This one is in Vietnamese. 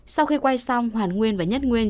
sau khi quay xong hoàn nguyên và nhất nguyên